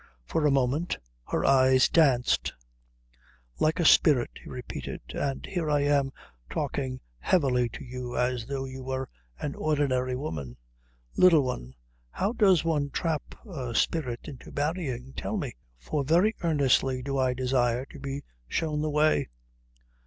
For a moment her eyes danced. "Like a spirit," he repeated. "And here am I talking heavily to you, as though you were an ordinary woman. Little One, how does one trap a spirit into marrying? Tell me. For very earnestly do I desire to be shown the way."